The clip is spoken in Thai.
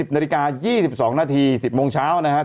๑๐นาฬิกา๒๒นาที๑๐โมงเช้านะฮะ๑๐โมงครึ่งครับ